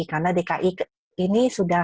karena dki ini sudah